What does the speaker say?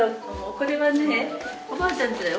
これはねおばあちゃんちだよ。